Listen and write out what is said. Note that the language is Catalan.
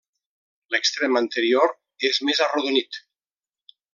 L'extrem anterior és més arrodonit.